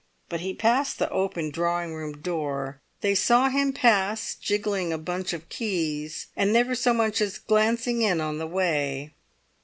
But he passed the open drawing room door; they saw him pass, jingling a bunch of keys, and never so much as glancing in on the way.